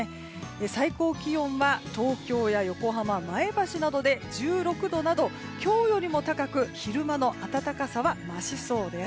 最高気温は東京や横浜前橋などで１６度など今日よりも高く昼間の暖かさは増しそうです。